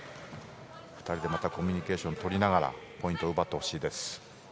２人でまたコミュニケーションとりながらポイントを奪ってほしいです。